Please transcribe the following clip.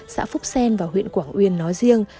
xã phúc sen và huyện quảng uyên nói riêng